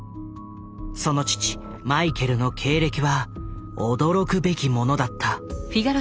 その父マイケルの経歴は驚くべきものだった。